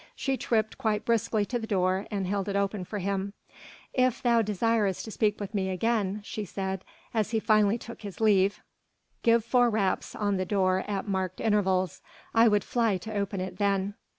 She tripped quite briskly to the door and held it open for him. "If thou desirest to speak with me again," she said, as he finally took his leave, "give four raps on the door at marked intervals. I would fly to open it then."